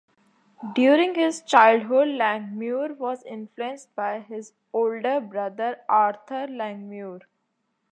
During his childhood, Langmuir was influenced by his older brother, Arthur Langmuir.